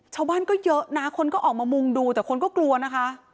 ชาวบ้านก็เยอะนะคนก็ออกมามุงดูแต่คนก็กลัวนะคะ